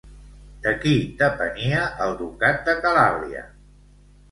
De qui depenia el ducat de Calàbria?